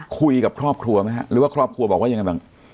คุยกับครอบครัวไหมฮะหรือว่าครอบครัวบอกว่ายังไงบ้าง